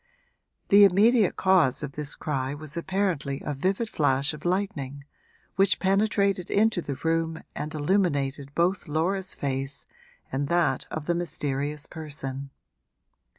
The immediate cause of this cry was apparently a vivid flash of lightning, which penetrated into the room and illuminated both Laura's face and that of the mysterious person.